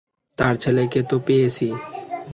তার ছেলেকে তো পেয়েছি।